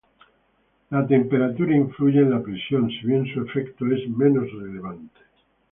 La temperatura influye en la presión, si bien su efecto es menos relevante.